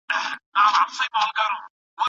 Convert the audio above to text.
نو تاوان به ورسره څنګه یوسي